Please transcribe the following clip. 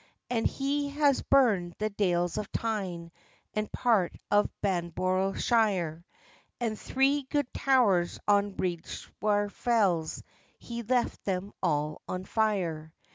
And he has burn'd the dales of Tyne, And part of Bambrough shire: And three good towers on Reidswire fells, He left them all on fire.